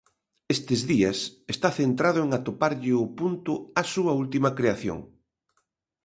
Estes días está centrado en atoparlle o punto á súa última creación.